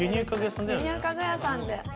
輸入家具屋さんだよね。